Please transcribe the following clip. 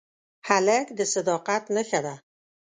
هلک د صداقت نښه ده.